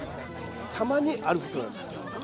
たまにあることなんですよ。